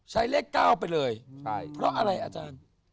เลข๙ไปเลยเพราะอะไรอาจารย์